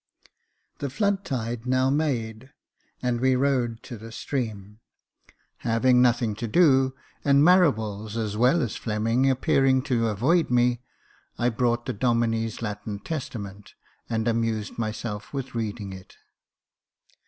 The flood tide now made, and we rode to the stream. Having nothing to do, and Marables as well as Fleming appearing to avoid me, I brought the Domine's Latin Testament, and amused myself with reading it.